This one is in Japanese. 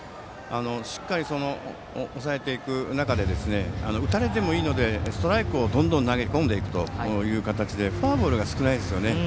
しっかり抑えていく中で打たれてもいいのでストライクをどんどん投げ込んでいってフォアボールが少ないですよね。